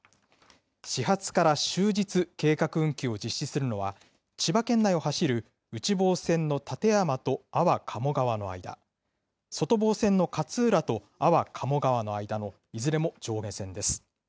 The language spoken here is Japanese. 始発から終日、計画運休を実施するのは、千葉県内を走る内房線の館山と安房鴨川の間、外房線の勝浦と安房鴨川の間のいずれも上下線です。